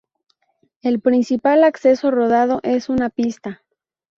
El principal acceso rodado es una pista.